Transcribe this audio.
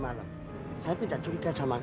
ayo bu cepetan liat adek